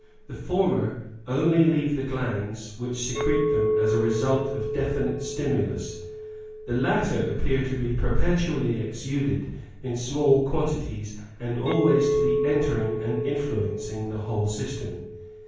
The former only leave the glands which secrete them as a result of definite stimulus ; the latter appear to be perpetually exuded in small quantities and always to be entering and influencing the whole system.